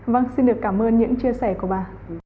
vâng xin được cảm ơn những chia sẻ của bà